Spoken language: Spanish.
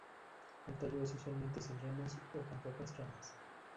El tallo es usualmente sin ramas, o con muy pocas ramas.